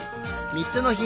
３つのひ